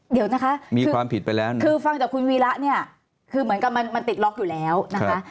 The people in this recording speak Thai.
เดี๋ยวนะคะคือฟังจากคุณวีระเนี่ยคือเหมือนกับมันติดล็อคอยู่แล้วนะคะ